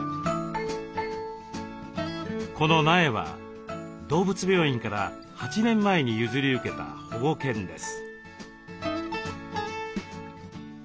この苗は動物病院から８年前に譲り受けた保護犬です。